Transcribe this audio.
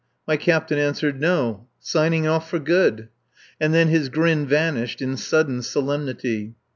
my Captain answered, "No! Signing off for good." And then his grin vanished in sudden solemnity.